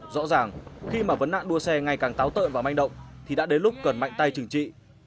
rõ ràng khi mà vấn nạn đua xe ngày càng táo tợi và manh động thì đã đến lúc cần mạnh tay chừng trị